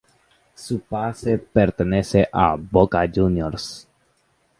Su pase pertenece a Boca Juniors.